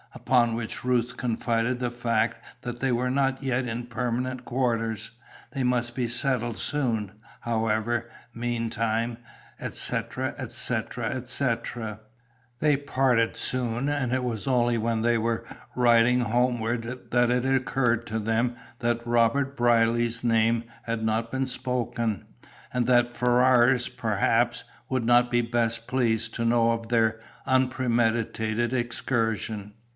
Upon which Ruth confided the fact that they were not yet in permanent quarters. They must be settled soon; however, meantime, etc., etc., etc. They parted soon, and it was only when they were riding homeward that it occurred to them that Robert Brierly's name had not been spoken, and that Ferrars, perhaps, would not be best pleased to know of their unpremeditated excursion.